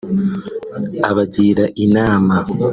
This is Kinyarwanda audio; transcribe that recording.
abagira inama